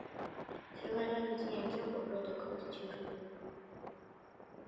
区块链是今年最火热的科技趋势了